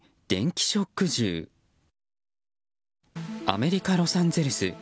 アメリカ・ロサンゼルス。